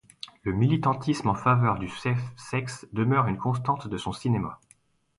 Le militantisme en faveur du safe sex demeure une constante de son cinéma.